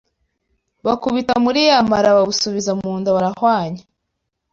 bakubita muri ya mara babusubiza mu nda barahwanya